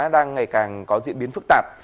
đang ngày càng có diễn biến phức tạp